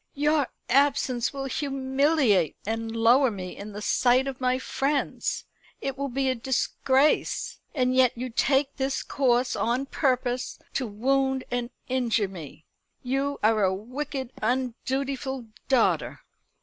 "Your absence will humiliate and lower me in the sight of my friends. It will be a disgrace. And yet you take this course on purpose to wound and injure me. You are a wicked undutiful daughter."